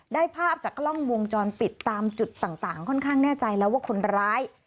ภาพจากกล้องวงจรปิดตามจุดต่างค่อนข้างแน่ใจแล้วว่าคนร้าย